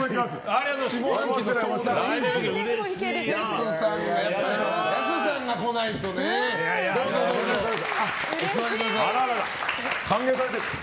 ありがとうございます。